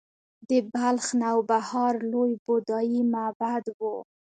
د بلخ نوبهار لوی بودايي معبد و